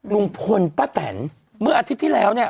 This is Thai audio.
ลุงพลป้าแตนเมื่ออาทิตย์ที่แล้วเนี่ย